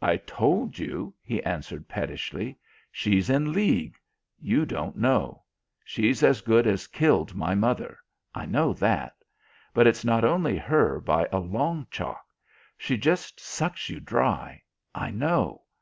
"I told you," he answered pettishly. "She's in league. You don't know. She as good as killed my mother; I know that. But it's not only her by a long chalk. She just sucks you dry. I know.